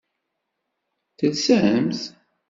Telsamt?